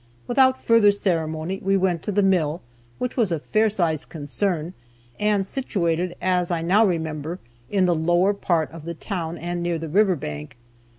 Without further ceremony we went to the mill, which was a fair sized concern, and situated, as I now remember, in the lower part of the town, and near the river bank.